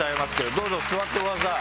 どうぞ座ってください。